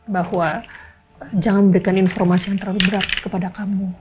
bahwa jangan berikan informasi yang terlalu berat kepada kamu